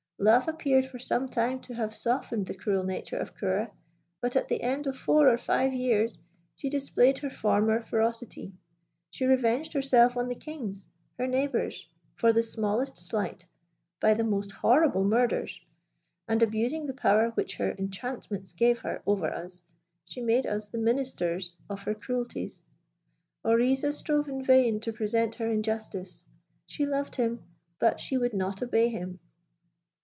Love appeared for some time to have softened the cruel nature of Ceora; but at the end of four or five years she displayed her former ferocity. She revenged herself on the kings, her neighbours, for the smallest slight by the most horrible murders, and abusing the power which her enchantments gave her over us, she made us the ministers of her cruelties. Oriza strove in vain to prevent her injustice. She loved him; but she would not obey him.